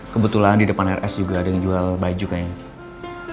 kebetulan di depan rs juga ada yang jual baju kayaknya